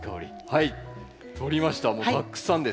はい。